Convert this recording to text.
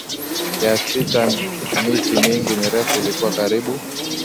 ya sita Miti mingi mirefu ilikuwa karibu